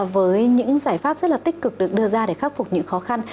với những giải pháp rất là tích cực được đưa ra để khắc phục những khó khăn